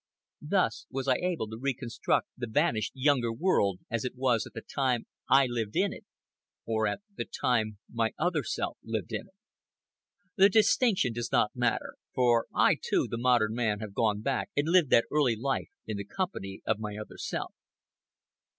Thus was I able to reconstruct the vanished Younger World as it was at the time I lived in it—or at the time my other self lived in it. The distinction does not matter; for I, too, the modern man, have gone back and lived that early life in the company of my other self.